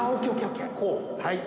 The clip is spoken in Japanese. はい。